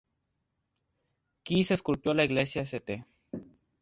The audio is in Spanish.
Kiss esculpió la iglesia St.